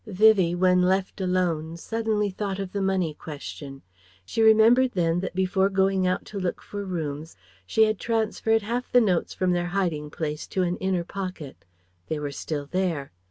Vivie when left alone suddenly thought of the money question. She remembered then that before going out to look for rooms she had transferred half the notes from their hiding place to an inner pocket. They were still there.